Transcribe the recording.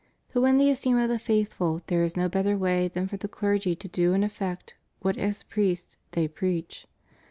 To win the esteem of the faithful there is no better way than for the clergy to do in effect what as priests they preach.